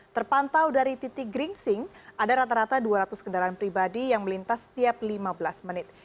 terpantau dari titik gringsing ada rata rata dua ratus kendaraan pribadi yang melintas setiap lima belas menit